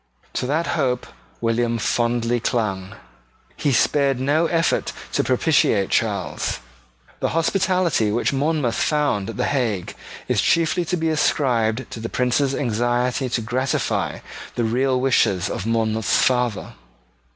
To that hope William fondly clung. He spared no effort to propitiate Charles. The hospitality which Monmouth found at the Hague is chiefly to be ascribed to the Prince's anxiety to gratify the real wishes of Monmouth's father.